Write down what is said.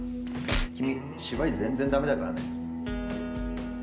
君芝居全然駄目だからね。